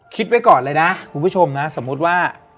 คิดไว้ก่อนเลยนะคุณผู้ชมนะสมมุติว่า